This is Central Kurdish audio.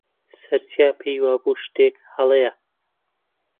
سەرچیا پێی وا بوو شتێک هەڵەیە.